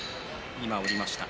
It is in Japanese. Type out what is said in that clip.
今、下りました。